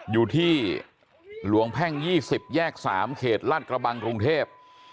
อยู่ที่หลวงแพ่ง๒๐แยก๓เขตลาดกระบังกรุงเทพ